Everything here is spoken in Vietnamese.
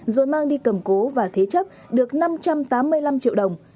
rồi mang đi cầm cố và thế chấp được năm trăm tám mươi năm triệu đồng